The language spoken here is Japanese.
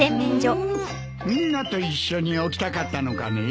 みんなと一緒に起きたかったのかね。